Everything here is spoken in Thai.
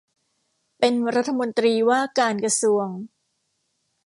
เป็นรัฐมนตรีว่าการกระทรวง